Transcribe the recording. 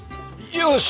よし！